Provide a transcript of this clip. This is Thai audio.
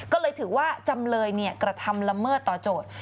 ก็เลยถือว่าจำเลยกระทำละเมิดต่อโจทย์